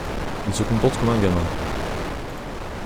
Il se comporte comme un gamin.